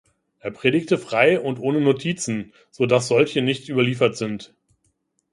Er predigte frei und ohne Notizen, so dass solche nicht überliefert sind.